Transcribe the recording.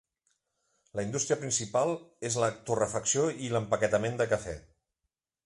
La indústria principal és la torrefacció i l'empaquetament de cafè.